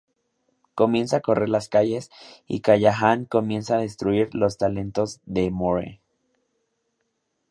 Comienzan a recorrer las calles y Callahan comienza a descubrir los talentos de Moore.